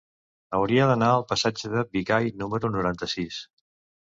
Hauria d'anar al passatge de Bigai número noranta-sis.